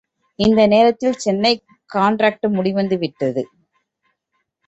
இந்த நேரத்தில் சென்னை கண்ட்ராக்டு முடிவடைந்து விட்டது.